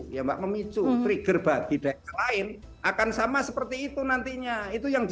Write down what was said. ya mbak memicu trigger bagi daerah lain akan sama seperti itu nantinya